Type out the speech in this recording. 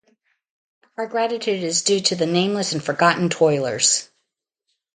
Our gratitude is due to the nameless and forgotten toilers.